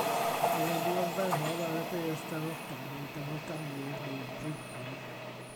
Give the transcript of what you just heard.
Yr enw arferol ar y beirdd darogan yw daroganwyr neu frudwyr.